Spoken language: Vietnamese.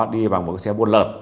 đi bằng một xe buôn lợp